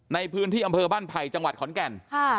ในพื้นที่อำเภอบ้านไผ่จังหวัดขอนแก่น